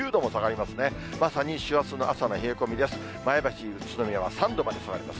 まさに師走の朝の冷え込みです。